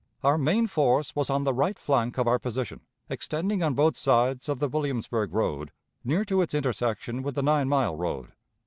Our main force was on the right flank of our position, extending on both sides of the Williamsburg road, near to its intersection with the Nine mile road.